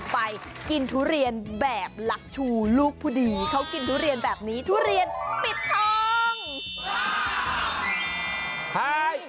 ไปกินทุเรียนแบบหลักชูลูกผู้ดีเขากินทุเรียนแบบนี้ทุเรียนปิดทอง